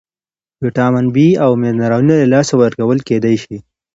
بی ویټامین او منرالونه له لاسه ورکول کېدای شي.